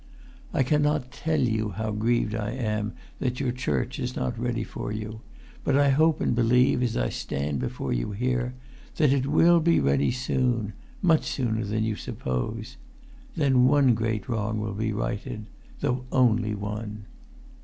"I cannot tell you how grieved I am that your church is not ready for you; but I hope and believe, as I stand before you here, that it will be ready soon,[Pg 321] much sooner than you suppose. Then one great wrong will be righted, though only one.